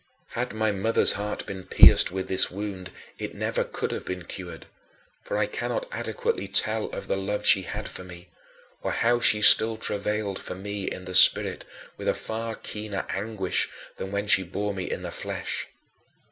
Had my mother's heart been pierced with this wound, it never could have been cured, for I cannot adequately tell of the love she had for me, or how she still travailed for me in the spirit with a far keener anguish than when she bore me in the flesh.